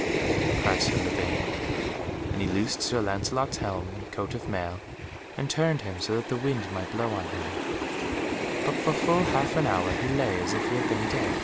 cried Sir Lavaine, and he loosed Sir Lancelot's helm and coat of mail, and turned him so that the wind might blow on him, but for full half an hour he lay as if he had been dead.